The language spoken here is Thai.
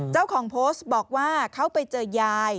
เจ้าของโพสต์บอกว่าเขาไปเจอยาย